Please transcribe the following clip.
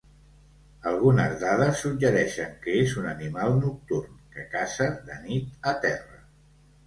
Algunes dades suggereixen que és un animal nocturn, que caça de nit a terra.